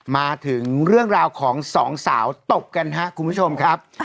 มาถึงเรื่องราวของสองสาวตบกันครับคุณผู้ชมครับ